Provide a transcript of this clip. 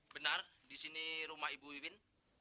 benar di sini rumah ibu wiwin